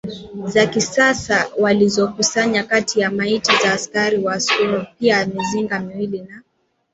za kisasa walizokusanya kati ya maiti za askari wa Schutztruppe pia mizinga miwili na